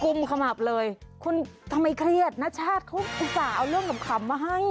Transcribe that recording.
ุ่มขมับเลยคุณทำไมเครียดณชาติเขาอุตส่าห์เอาเรื่องขำมาให้